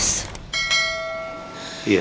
separah dari aku aja